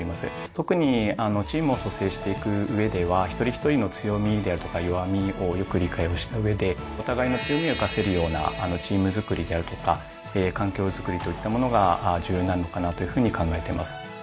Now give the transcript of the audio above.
特にチームを組成していく上では一人一人の強みであるとか弱みをよく理解をした上でお互いの強みを生かせるようなチームづくりであるとか環境づくりといったものが重要になるのかなというふうに考えてます。